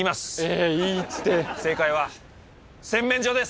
正解は洗面所です！